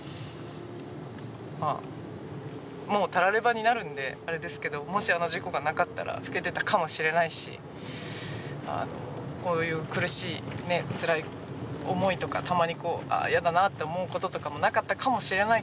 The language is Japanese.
まあもうたらればになるのであれですけどもしあの事故がなかったら吹けてたかもしれないしこういう苦しいつらい思いとかたまに嫌だなと思うこととかもなかったかもしれないけど。